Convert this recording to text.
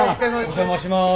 お邪魔します。